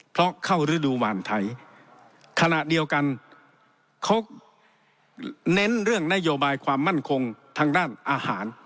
เพราะเข้าฤดูหวานไทยขณะเดียวกันเขาเน้นเรื่องนโยบายความมั่นคงทางด้านอาหาร